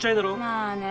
まあね。